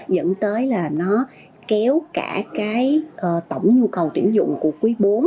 dẫn tới là nó kéo cả cái tổng nhu cầu tuyển dụng của quý bốn